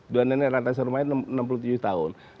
dua nenek rata serumahnya enam puluh tujuh tahun